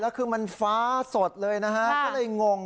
แล้วคือมันฟ้าสดเลยนะฮะก็เลยงง